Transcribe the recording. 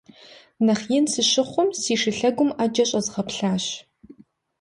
Нэхъ ин сыщыхъум, си шы лъэгум Ӏэджэ щӀэзгъэплъащ.